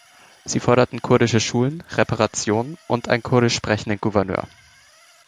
Sie forderten kurdische Schulen, Reparationen und einen kurdisch sprechenden Gouverneur.